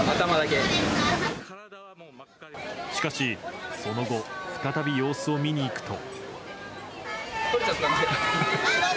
しかしその後、再び様子を見に行くと。